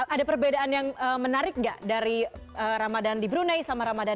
ada perbedaan yang menarik nggak dari ramadan di brunei sama ramadan